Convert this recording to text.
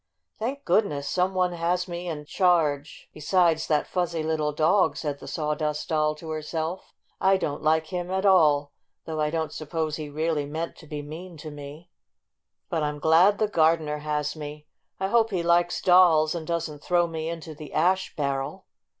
" Thank goodness some one has me in charge besides that fuzzy little dog!" said the S awdust Doll to herself. ' 6 1 don 't like him at all, though I don't suppose he really meant to be mean to me. But I'm glad the 73 74 STORY OF A SAWDUST DOLL gardener has me. I hope he likes dolls, and doesn't throw me into the ash bar rel!"